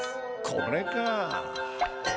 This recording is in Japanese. これか。